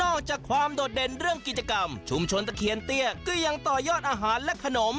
ออกจากความโดดเด่นเรื่องกิจกรรมชุมชนตะเคียนเตี้ยก็ยังต่อยอดอาหารและขนม